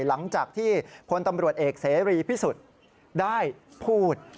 หลังจากที่พลตำรวจเอกเสรีพิสุทธิ์ได้พูด